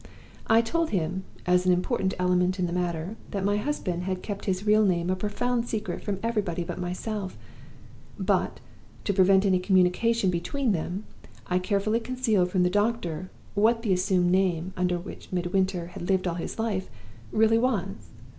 I told him, as an important element in the matter, that my husband had kept his real name a profound secret from everybody but myself; but (to prevent any communication between them) I carefully concealed from the doctor what the assumed name under which Midwinter had lived all his life really was.